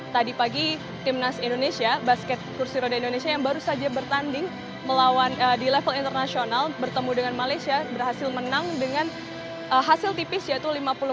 tadi pagi timnas indonesia basket kursi roda indonesia yang baru saja bertanding melawan di level internasional bertemu dengan malaysia berhasil menang dengan hasil tipis yaitu lima puluh empat